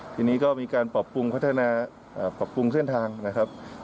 ทีนี้ก็มีการปรับปรุงพัฒนาปรับปรุงเส้นทางนะครับ